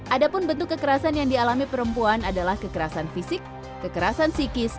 ada pun bentuk kekerasan yang dialami perempuan adalah kekerasan fisik kekerasan psikis